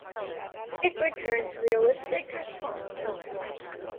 It returns realistic responses